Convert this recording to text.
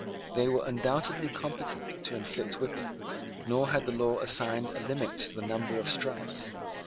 They were undoubtedly competent to inflict whipping; nor had the law assigned a limit to the number of stripes.